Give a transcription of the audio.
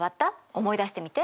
思い出してみて。